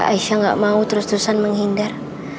aisyah gak mau terus terusan menghindar